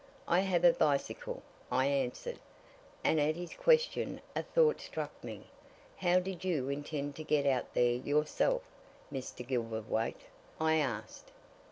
"I have a bicycle," I answered, and at his question a thought struck me. "How did you intend to get out there yourself, Mr. Gilverthwaite?" I asked.